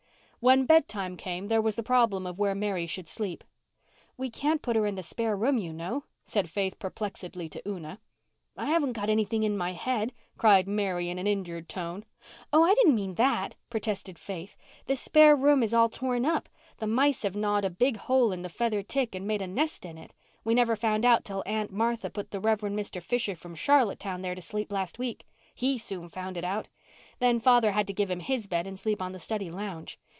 When bedtime came there was the problem of where Mary should sleep. "We can't put her in the spare room, you know," said Faith perplexedly to Una. "I haven't got anything in my head," cried Mary in an injured tone. "Oh, I didn't mean that," protested Faith. "The spare room is all torn up. The mice have gnawed a big hole in the feather tick and made a nest in it. We never found it out till Aunt Martha put the Rev. Mr. Fisher from Charlottetown there to sleep last week. He soon found it out. Then father had to give him his bed and sleep on the study lounge.